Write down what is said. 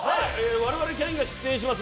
我々キャインが出演します